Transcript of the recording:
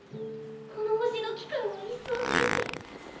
この星の機械を一掃するって。